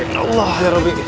ya allah ya rabbi